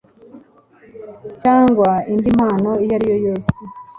cyangwa indi mpano iyo ariyo yose